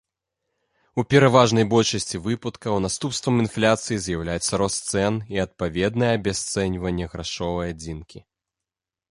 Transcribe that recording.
У пераважнай большасці выпадкаў наступствам інфляцыі з'яўляецца рост цэн і адпаведнае абясцэньванне грашовай адзінкі.